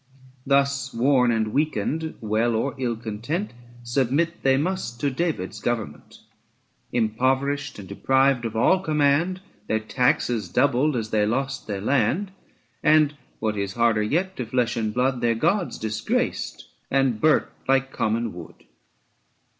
Thus worn and weakened, well or ill content, Submit they must to David's government : Impoverished and deprived of all command, Their taxes doubled as they lost their land; 95 And, what was harder yet to flesh and blood, Their gods disgraced, and burnt like common wood.